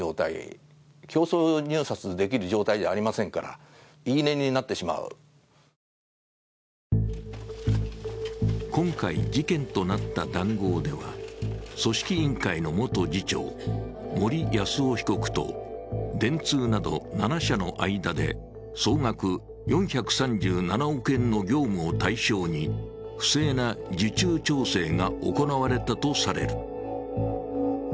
元東京都職員としてオリンピック招致に関わった鈴木氏は今回事件となった談合では、組織委員会の元次長・森泰夫被告と電通など７社の間で総額４３７億円の業務を対象に不正な受注調整が行われたとされる。